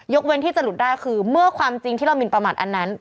เว้นที่จะหลุดได้คือเมื่อความจริงที่เราหมินประมาทอันนั้น